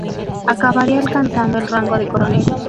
Acabaría alcanzando el rango de coronel.